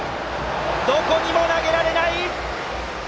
どこにも投げられない！